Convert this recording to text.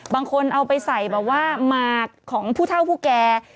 บางคนเอาไปใส่แบบว่าหมากของผู้เท่าผู้แก่